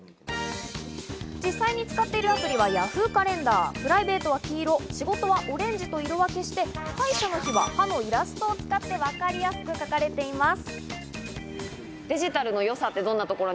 実際に使っているアプリはＹａｈｏｏ！カレンダー、プライベートは黄色、仕事はオレンジと色分けして、歯医者の日は歯のイラストを使って、わかりやすく書かれています。